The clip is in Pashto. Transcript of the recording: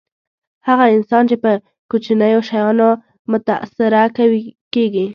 هغه کسان چې په کوچنیو شیانو متأثره کېږي.